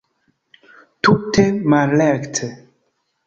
Tute malrekte!